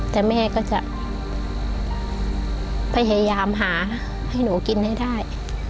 แต่แม่ก็จะพยายามหาให้หนูกินให้ได้